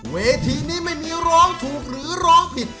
เวทีนี้ไม่มีร้องถูกหรือร้องผิด